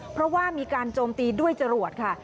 เพราะว่ามีการโจมตีด้วยจรวดค่ะ